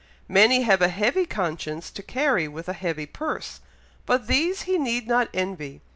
Many have a heavy conscience to carry with a heavy purse; but these he need not envy.